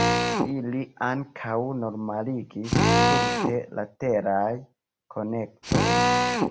Ili ankaŭ normaligis tute la teraj konektoj.